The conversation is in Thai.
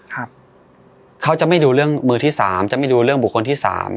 เขาจะไม่ดูเรื่องมือที่สามจะไม่ดูเรื่องบุคคลที่สาม